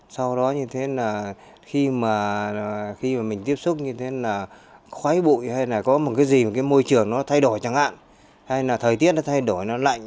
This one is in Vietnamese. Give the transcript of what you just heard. sau đó khi mà mình tiếp xúc như thế là khói bụi hay là có một cái gì một cái môi trường nó thay đổi chẳng hạn hay là thời tiết nó thay đổi nó lạnh